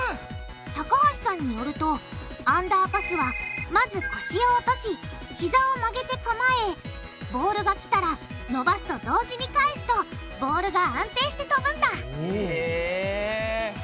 高橋さんによるとアンダーパスはまず腰を落としひざを曲げて構えボールが来たら伸ばすと同時に返すとボールが安定してとぶんだへぇ。